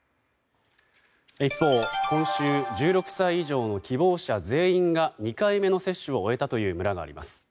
一方、今週１６歳以上の希望者全員が２回目の接種を終えたという村があります。